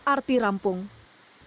jpo akan dibangun untuk penyebrangan jalan